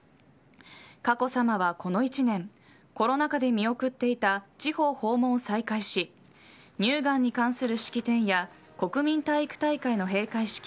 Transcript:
佳子さまはこの１年コロナ禍で見送っていた地方訪問を再開し乳がんに関する式典や国民体育大会の閉会式